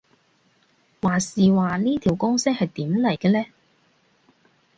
話時話呢條公式係點嚟嘅呢